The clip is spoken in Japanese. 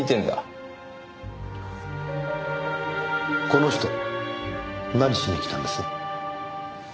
この人何しに来たんです？